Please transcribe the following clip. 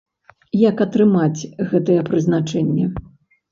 Як атрымаць гэтае прызначэнне?